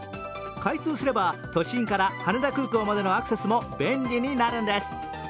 開通すれば、都心から羽田空港までのアクセスも便利になるんです。